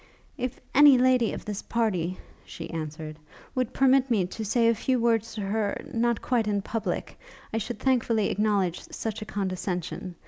'If any lady of this party,' she answered, 'would permit me to say a few words to her not quite in public, I should thankfully acknowledge such a condescension.